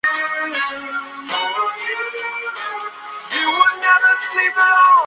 Algunas se convierten en potenciales plagas.